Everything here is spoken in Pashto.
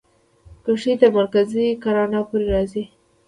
کښتۍ تر مرکزي کاناډا پورې راځي.